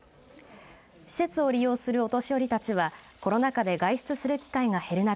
施設を利用するお年寄りたちはコロナ禍で外出する機会が減る中